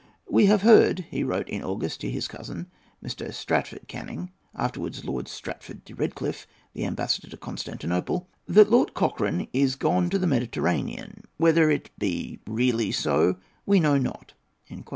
"We have heard," he wrote in August to his cousin, Mr. Stratford Canning, afterwards Lord Stratford de Redcliffe, the ambassador at Constantinople, "that Lord Cochrane is gone to the Mediterranean; whether it be really so, we know not."